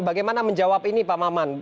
bagaimana menjawab ini pak maman